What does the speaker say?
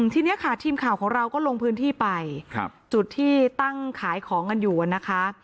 ทีนี้ค่ะทีมข่าวของเราก็ลงพื้นที่ไปจุดที่ตั้งขายของกันอยู่นะคะ